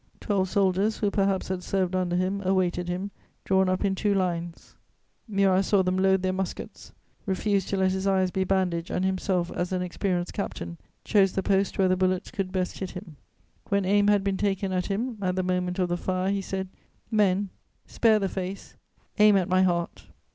Twelve soldiers, who perhaps had served under him, awaited him, drawn up in two lines. Murat saw them load their muskets, refused to let his eyes be bandaged, and himself, as an experienced captain, chose the post where the bullets could best hit him. When aim had been taken at him, at the moment of the fire, he said: "Men, spare the face; aim at my heart!"